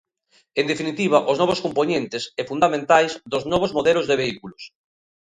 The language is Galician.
En definitiva, os novos compoñentes, e fundamentais, dos novos modelos de vehículos.